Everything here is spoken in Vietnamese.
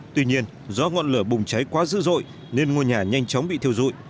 tuy nhiên do ngọn lửa bùng cháy quá dữ dội nên ngôi nhà nhanh chóng bị thiêu dụi